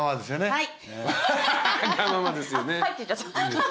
はい。